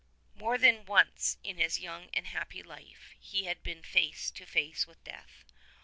49 More than once in his young and happy life he had been face to face with death.